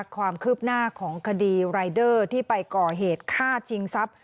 ความคืบหน้าของคดีรายเดอร์ที่ไปก่อเหตุฆ่าชิงทรัพย์